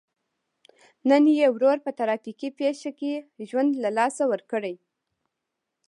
نن یې ورور په ترافیکي پېښه کې ژوند له لاسه ورکړی.